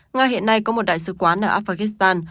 nga hiện nay có một đại sứ quán ở afghanistan